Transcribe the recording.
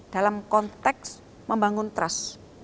dalam konteks membangun trust